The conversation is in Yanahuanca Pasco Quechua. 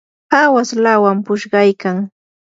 awash lawam pushqaykan.